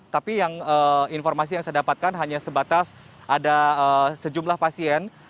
tapi informasi yang saya dapatkan hanya sebatas ada sejumlah pasien